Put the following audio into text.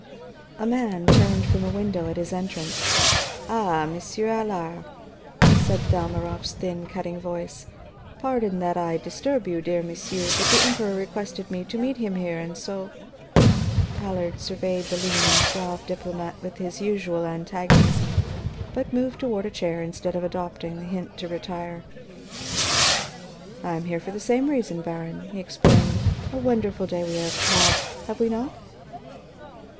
A man turned from a window at his entrance. "Ah, Monsieur Allard?" said Dalmorov's thin, cutting voice, "Pardon that I disturb you, dear monsieur, but the Emperor requested me to meet him here, and so " Allard surveyed the lean and suave diplomat with his usual antagonism, but moved toward a chair instead of adopting the hint to retire. "I am here for the same reason, Baron," he explained. "A wonderful day we have had, have we not?"